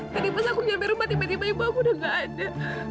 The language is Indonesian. tadi pas aku nyampe rumah tiba tiba ibu aku udah gak ada